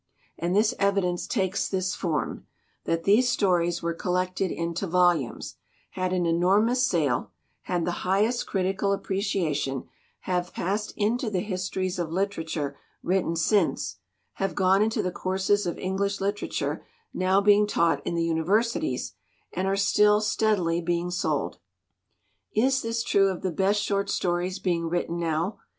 And this evidence takes this form that these stories were collected into volumes, had an enor mous sale, had the highest critical appreciation, have passed into the histories of literature written since, have gone into the courses of English litera ture now being taught in the universities, and are still steadily being sold. ''Is this true of the best short stories being written now